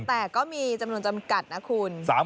แต่ก็มีจำนวนจำกัดนะคุณ